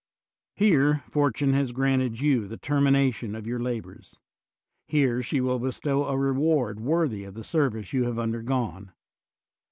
Here fortune has granted you the termination of your labors ; here she will bestow a reward worthy of the service you have undergone.